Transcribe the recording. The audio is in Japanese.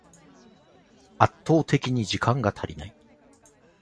圧倒的に時間が足りない